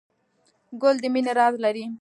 ګل د مینې راز لري.